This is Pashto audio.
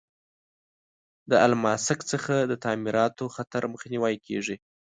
د الماسک څخه د تعمیراتو خطر مخنیوی کیږي.